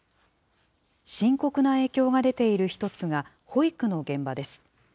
深刻な影響が出ている一つが、保育の現場です。